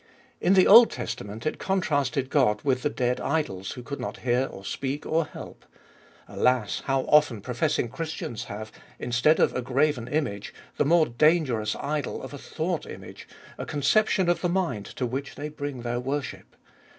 In the Old Testament it con trasted God with the dead idols, who could not hear or speak or help. Alas, how often professing Christians have, instead of a graven image, the more dangerous idol of a thought image — a conception of the mind to which they bring their worship.